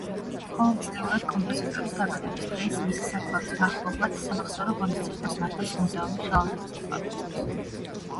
ყოველწლიურად, კომპოზიტორის დაბადების დღეს, მისი საფლავის მახლობლად, სამახსოვრო ღონისძიებებს მართავს მუზეუმი ხელოვნების მოყვარულებისთვის.